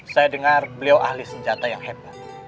saya dengar beliau ahli senjata yang hebat